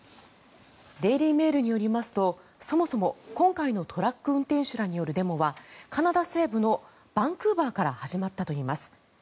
デイリー・メールによりますとそもそも今回のトラック運転手らによるデモはカナダ西部のバンクーバーから始まったといいます。